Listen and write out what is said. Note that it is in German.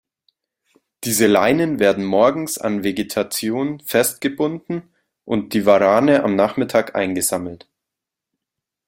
Diese Leinen werden morgens an Vegetation festgebunden, und die Warane am Nachmittag eingesammelt.